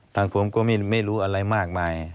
ผมก็ไม่รู้อะไรมากมาย